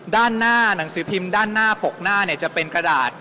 ด้านหน้าหนังสือพิมพ์ด้านหน้าปกหน้าจะเป็นกระดาษ